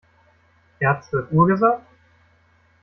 Er hat zwölf Uhr gesagt?